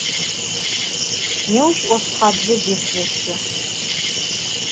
Nêuş 'ofthabze zêseşe.